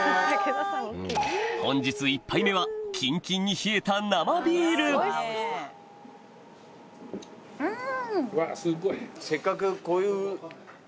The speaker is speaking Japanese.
本日１杯目はキンキンに冷えた生ビール久保さん。